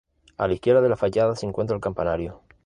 A la izquierda de la fachada se encuentra el campanario.